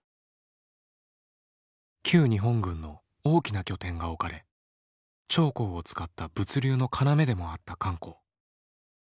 旧日本軍の大きな拠点が置かれ長江を使った物流の要でもあった漢口。